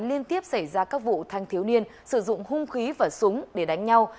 liên tiếp xảy ra các vụ thanh thiếu niên sử dụng hung khí và súng để đánh nhau